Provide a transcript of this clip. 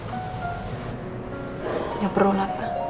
gak perlu napa